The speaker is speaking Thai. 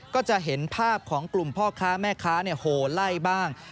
ก็จะเห็นภาพของกลุ่มพ่อค้าแม่ค้าโหไล่บ้าง